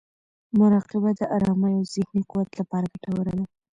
مراقبه د ارامۍ او ذهني قوت لپاره ګټوره ده.